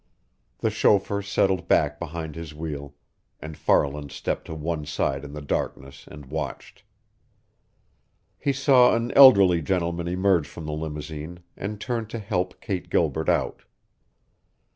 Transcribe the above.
The chauffeur settled back behind his wheel, and Farland stepped to one side in the darkness and watched. He saw an elderly gentleman emerge from the limousine and turn to help Kate Gilbert out.